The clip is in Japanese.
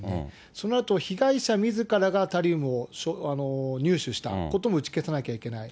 そのあと被害者みずからがタリウムを入手したことも打ち消さなきゃいけない。